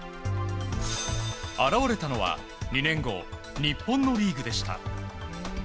現れたのは２年後、日本のリーグでした。